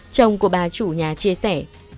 chồng của bà chủ nhà chia sẻ